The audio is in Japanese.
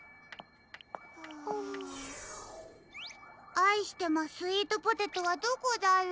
「あいしてまスイートポテト」はどこだろう？